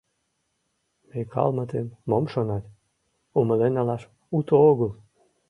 Микалмытым мом шонат, умылен налаш уто огыл».